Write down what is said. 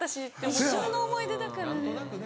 一生の思い出だからね。